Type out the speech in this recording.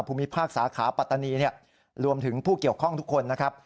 ภูมิภาคสาขาปัตตานีรวมถึงผู้เกี่ยวข้องทุกคนนะครับ